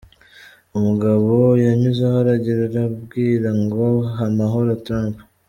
Umugabo yanyuzeho arangije arambwira ngo ‘ha amahoro Trump.